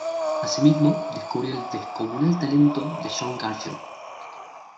Asimismo, descubrió el descomunal talento de John Garfield.